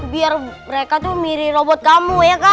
biar mereka tuh miri robot kamu ya kak